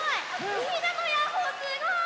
みんなのヤッホーすごい！